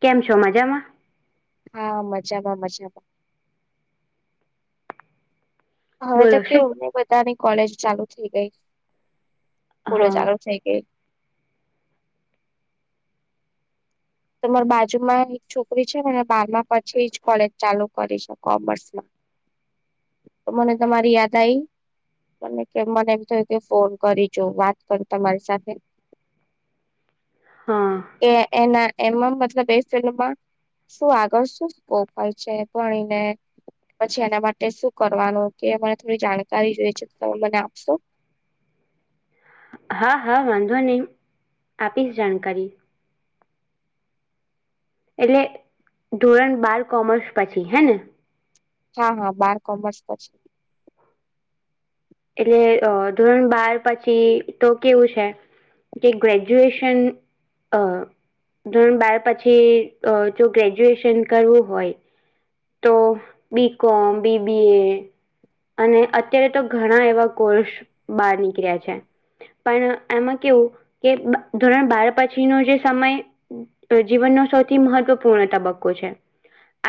કેમ છો મજામાં? હા મજામાં મજામાં. હવે ત બોલો શું કેવને બધાની કોલેજ ચાલુ થઈ ગઈ, સ્કૂલો હા ચાલુ થઇ ગઈ. તો માર બાજુમાં એક છોકરી છે મને બારમાં પછી જ કોલેજ ચાલુ કરી છે કોમર્સમાં. હ [inaudible] તો મને તમારી યાદ આવી. મ કે મને એમ થયું કે ફોન કરીજો વાત કર તમારી સાથે. હા. એ એના એમાં મતલબ એ ફિલ્મમાં શું આગળ શું સ્કોપ હોય છે ભણીને? પછી એના માટે શું કરવાનું કે મરે થોડી જાણકારી જોઈ છે તમે મને આપશો? હા હા વાંધો નહી આપીશ જાણકારી. એટલે ધોરણ બાર કોમર્સ પછી હે ને? હા હા બાર કોમર્સ પછી. એટલે અ ધોરણ બાર પછી તો કેવું છે. જે ગ્રેજ્યુએશન ધોરણ બાર પછી અહ જો ગ્રેજ્યુએશન કરવું હોય તો બી કોમ બી બી એ અને અત્યારે તો ઘણા એવા કોર્સ બહાર નીકળ્યા છે. પણ આમાં કેવું કે ધોરણ બાર પછી નો જે સમય તો જીવનનો સૌથી મહત્વપૂર્ણ તબક્કો છે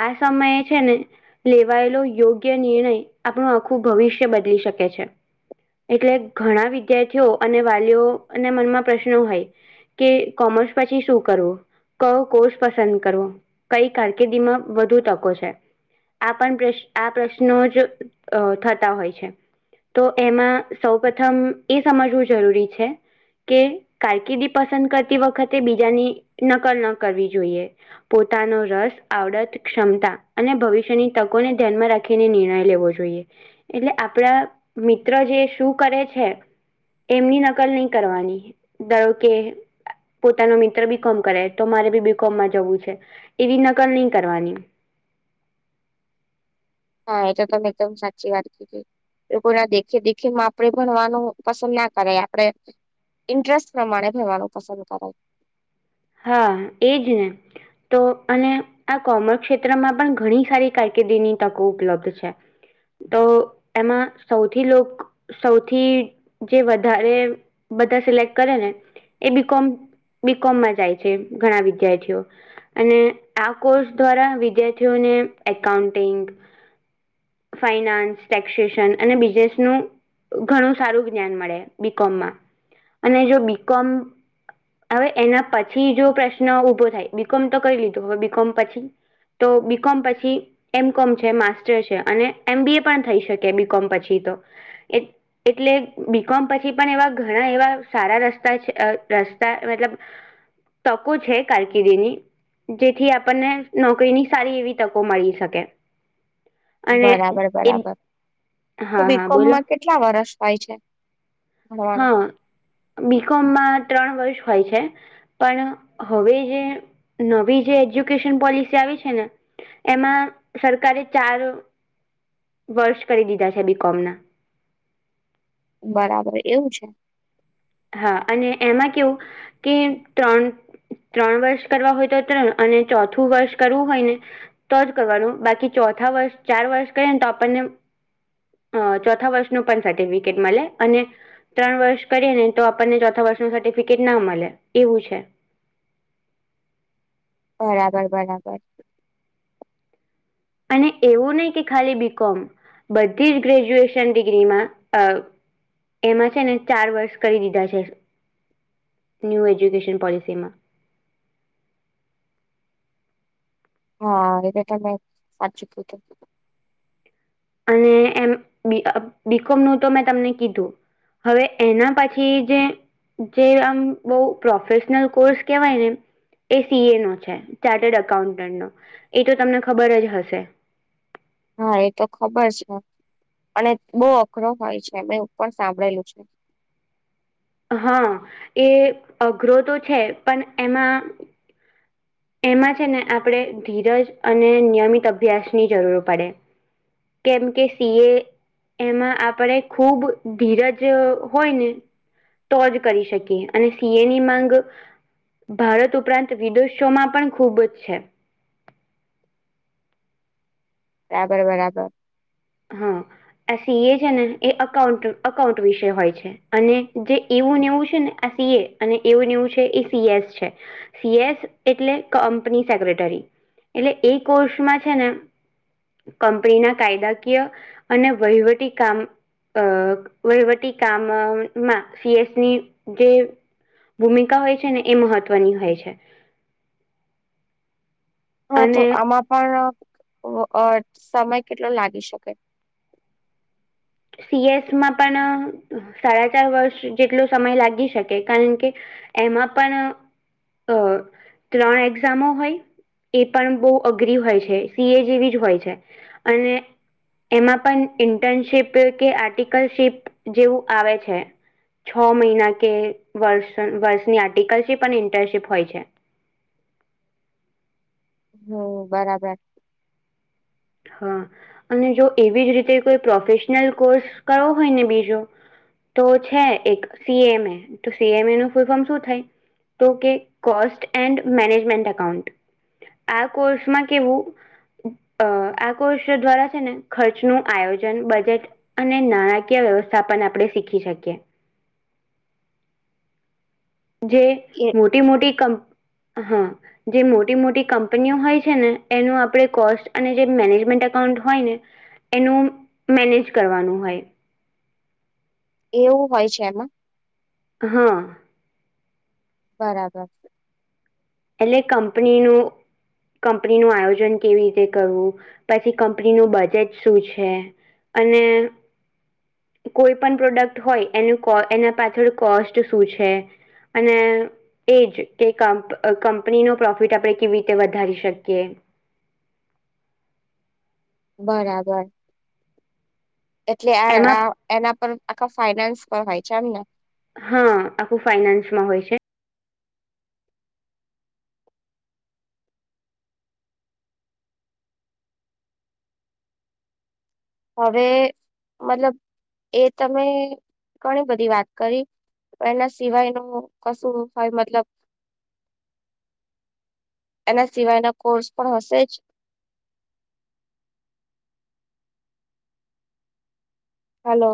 આ સમયે છે ને લેવાયેલો યોગ્ય નિર્ણય આપણું આખું ભવિષ્ય બદલી શકે છે. એટલે ઘણા વિદ્યાર્થીઓ અને વાલીઓ અને મનમાં પ્રશ્નો હોય કે કોમર્સ પછી શું કરવું કયો કોર્ષ પસંદ કરવો કઈ કારકિર્દીમાં વધુ તકો છે. આ પણ પ્રશ્ આ પ્રશ્નો જ અહ થતા હોય છે. તો એમાં સૌ પ્રથમ એ સમજવું જરૂરી છે. કે કારકિર્દી પસંદ કરતી વખતે બીજાની નકલ ન કરવી જોઈએ. પોતાનો રસ આવડત ક્ષમતા અને ભવિષ્યની તકોને ધ્યાનમાં રા ખીને નિર્ણય લેવો જોઈએ એટલે આપડા મિત્ર જે શું કરે છે એમની નકલ નહી કરવાની ધારો કે પોતાનો મિત્ર બી કોમ કરે તો મારે બી બી કોમ માં જવું છે એવી નકલ નહી કરવાની. હા એ તો તમે એકદમ સાચી વાત કીધી. એ લોકો ના દેખે દેખે માં આપડે ભણવાનું પસંદ ના કરે આપડે ઇન્ટરેસ્ટ પ્રમાણે રહેવાનું પસંદ કરે. હા એ જ ને તો અને. આ કોમર્સ ક્ષેત્રમાં પણ ઘણી સારી કારકિર્દીની તકો ઉપલબ્ધ છે. તો એમાં સૌથી લોક. સૌથી જે વધારે બધા સિલેક્ટ કરે ને. એ બીકોમ બીકોમમાં જાય છે ઘણા વિદ્યાર્થીઓ. અને આ કોર્સ દ્વારા વિદ્યાર્થીઓને એકાઉન્ટિંગ. ફાઈનાન્સ ટેક્સેશન અને બિઝનેસ નું. ઘણું સારું જ્ઞાન મળે બીકોમમાં અને જો બીકોમ. હવે એના પછી જો પ્રશ્ન ઉભો થાય બીકોમ તો કરી લીધો હવે બીકોમ પછી. તો બી કોમ પછી એમ કોમ છે માસ્ટર છે. અને એમ બી એ પણ થઈ શકે બી કોમ પછી તો એ. એટલે બીકોમ પછી પણ એવા ઘણા એવા સારા રસ્તા રસ્તા મતલબ. તકો છે કારકિર્દી ની. જેથી આપણને નોકરીની સારી એવી તકો મળી શકે. અને બરાબર એ બરાબર તો હા હા બોલો બીકોમમાં કેટલા વરષ હોય છે. ભણવાનું? હા બીકોમમાં ત્રણ વર્ષ હોય છે. પણ હવે જે નવી જે એજ્યુકેશન પોલિસી આવી છે ને. એમાં સરકારે ચાર વર્ષ કરી દીધા છે બીકોમ ના. બરાબર એવું છે. હા અને એમાં કેવું કે ત્રણ. ત્રણ વર્ષ કરવા હોય તો ત્રણ અને ચોથું વર્ષ કરવું હોય ને. તો જ કરવાનું બાકી ચોથા વર્ષ ચાર વર્ષ કરીએ ને તો આપણને. અ ચોથા વર્ષનું પણ સર્ટિફિકેટ મળે અને ત્રણ વર્ષ કરીને. તો આપણને ચોથા વર્ષનું સર્ટિફિકેટ ના મળે એવું છે. બરાબર બરાબર. અને એવું નહી કે ખાલી બીકોમ. બધી જ ગ્રેજ્યુએશન ડિગ્રીમાં અ. એમાં છે ને ચાર વર્ષ કરી દીધા, છે ન્યૂ એજ્યુકેશન પોલિસીમાં. હા એ તો તમે સાચું કીધું. અને એમ બીકોમનું તો મેં તમને કીધું. હવે એના પછી જે. જે આમ બહું પ્રોફેશનલ કોર્સ કેવાય ને. એ સી એ નો છે ચાર્ટર્ડ એકાઉન્ટન્ટનો એ તો તમને ખબર જ હશે. હા એ તો ખબર છે અને બહુ અઘરો હોય છે મેં એવું પણ સાંભળેલું છે. હા એ અઘરો તો છે પણ એમાં. એમાં છે ને આપણે ધીરજ અને નિયમિત અભ્યાસ ની જરૂર પડે. કેમ કે સીએ. એમાં આપણે ખુબ ધીરજ હોય ને. તો જ કરી શકીએ અને સીએ ની માંગ ભારત ઉપરાંત વિદોશ. શો માં પણ ખુબ જ છે. બરાબર બરાબર. હમ. આ સીએ છે ને એ અકાઉન્ટ અકાઉન્ટ વિશે હોય છે અને જે એવું ને એવું છે ને આ સીએ. અને એવુંને એવું છે એ સીએસ છે સીએસ એટલે કંપની સેક્રેટરી. એટલે એ કોર્ષમાં છે ને કંપનીના કાયદા. કિય અને વહીવટી કામ. અ વહીવટી કામમાં સીએસની જે. ભૂમિકા હોય છે ને એ મહત્વની હોય છે. હા તો અને આમાં પણ સમય કેટલો લાગી શકે. સીએસ માં પણ સાડા ચાર વર્ષ જેટલો સમય લાગી શકે કારણ કે એમાં પણ અ ત્રણ એક્ઝામો હોય એ પણ બહુ અઘરી હોય છે સી એ જેવી જ હોય છે અને એમાં પણ ઇન્ટર્નશીપ કે આર્ટિકલશીપ જેવું આવે છે છ મહિના કે વર્ષ વર્ષની આર્ટિકલથી પણ ઇન્ટર્નશીપ હોય છે હમ્મ બરાબર હા અને જો એવી જ રીતે કોઈ પ્રોફેશનલ કોર્સ કરવો હોય ને બીજો તો છે એક સીએમએ તો સીએમ એ નું ફૂલ ફોર્મ શું થાય? તો કે કોસ્ટ એન્ડ મેનેજમેન્ટ એકાઉન્ટ આ કોર્સમાં કેવું અ આ કોર્ષ દ્વારા છે ને ખર્ચ નું આયોજન બજેટ અને નાણાકીય વ્યવસ્થા પણ આપણે શીખી શકીએ જે એ મોટી મોટી કમપ હા જે મોટી મોટી કંપનીઓ હોય છે ને એનું આપણેે કોસ્ટ અને જે મેનેજમેન્ટ એકાઉન્ટ હોય ને? એનું મેનેજ કરવાનું હોય એવું હોય છે એમાં? હા બરાબર એટલે કંપનીનું કંપની નું આયોજન કેવી રીતે કરવું પછી કંપનીનું બજેટ શું છે? અને કોઈ પણ પ્રોડક્ટ હોય એનું એના પાછળ કોસ્ટ શું છે? અને એજ કે કંપ કંપનીનો પ્રોફિટ આપણે કેવી રીતે વધારી શકીએ? બરાબર એટલે આ એમાં આ એના પર આખા ફાઈનાન્સ પર હોય છે એમ ને? હા આખું ફાઈનાન્સમાં હોય છે હવે મતલબ એ તમે ઘણી બધી વાત કરી એના સિવાય ન કશું હોય મતલબ, [inaudible] એના સિવાયના કોર્સ પણ હશે જ, હલો